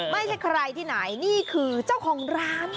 ไม่ใช่ใครที่ไหนนี่คือเจ้าของร้าน